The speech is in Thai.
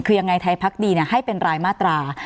คือยังไงไทยพักดีให้เป็นรายมาตรา